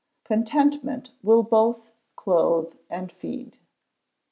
[CONTENTMENT WILL BOTH CLOTHE AND FEED.